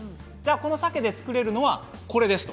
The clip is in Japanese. このさけで作れるものはこちらです。